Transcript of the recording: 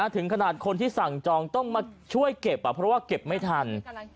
ถึงขนาดคนที่สั่งจองต้องมาช่วยเก็บเพราะว่าเก็บไม่ทัน